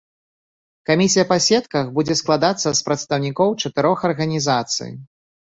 Камісія па сетках будзе складацца з прадстаўнікоў чатырох арганізацый.